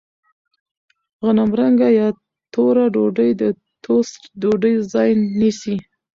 غنمرنګه یا توره ډوډۍ د ټوسټ ډوډۍ ځای نیسي.